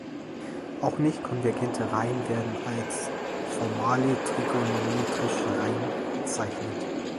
Auch nicht konvergente Reihen werden als "formale trigonometrische Reihen" bezeichnet.